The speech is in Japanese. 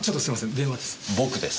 電話です。